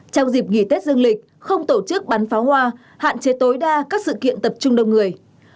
trong dịp nghỉ tết dương lịch không tổ chức bắn pháo hoa hạn chế tối đa các sự kiện tập trung đông người